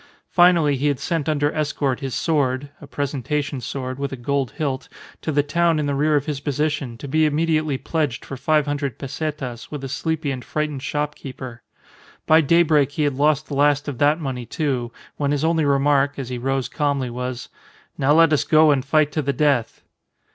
Finally, he had sent under escort his sword (a presentation sword, with a gold hilt) to the town in the rear of his position to be immediately pledged for five hundred pesetas with a sleepy and frightened shop keeper. By daybreak he had lost the last of that money, too, when his only remark, as he rose calmly, was, "Now let us go and fight to the death."